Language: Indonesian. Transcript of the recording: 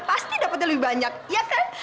pasti dapatnya lebih banyak ya kan